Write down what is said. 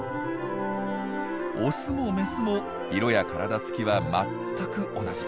オスもメスも色や体つきは全く同じ。